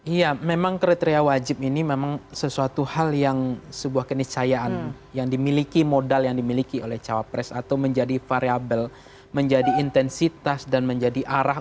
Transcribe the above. iya memang kriteria wajib ini memang sesuatu hal yang sebuah kenisayaan yang dimiliki modal yang dimiliki oleh cawapres atau menjadi variable menjadi intensitas dan menjadi arah